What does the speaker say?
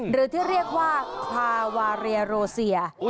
หรือที่เรียกว่าคลาวาเรียโรเซีย